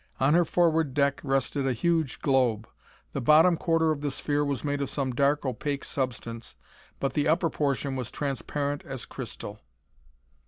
On her forward deck rested a huge globe. The bottom quarter of the sphere was made of some dark opaque substance but the upper portion was transparent as crystal.